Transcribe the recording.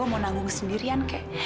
mau nanggung sendirian kek